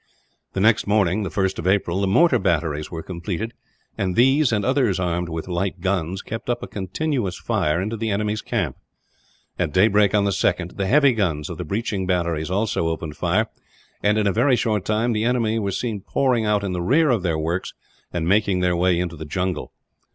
The next morning the 1st of April the mortar batteries were completed; and these, and others armed with light guns, kept up a continuous fire into the enemy's camp. At daybreak on the 2nd, the heavy guns of the breaching batteries also opened fire and, in a very short time, the enemy were seen pouring out in the rear of their works, and making their way into the jungle.